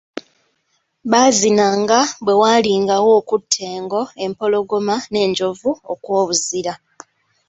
Baazinanga bwe waalingawo okutta engo, empologoma n'enjovu okw'obuzira.